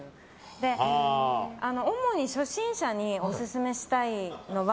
で、主に初心者にオススメしたいのが。